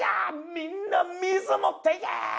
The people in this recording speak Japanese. みんな水持っていけ！」。